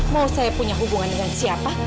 mau saya punya hubungan dengan siapa